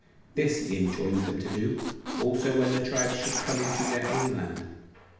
This he enjoined them to do also when the tribes should come into their own land. 7.